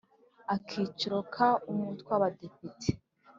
Akiciro ka Umutwe w Abadepite